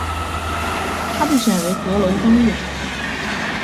他被选为阁楼当月宠物。